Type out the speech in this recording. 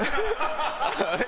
あれ？